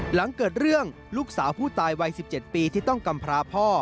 หลังเกิดเรื่องลูกสาวผู้ตายวัย๑๗ปีที่ต้องกำพราพ่อ